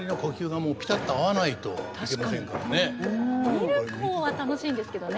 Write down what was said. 見る方は楽しいんですけどね。